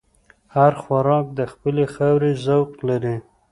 هر خوراک د خپلې خاورې ذوق لري.